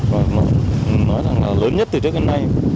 và nói rằng là lớn nhất từ trước đến nay